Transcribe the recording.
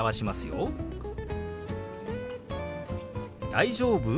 「大丈夫？」。